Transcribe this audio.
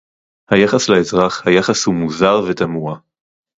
היחס לאזרח, היחס הוא מוזר ותמוה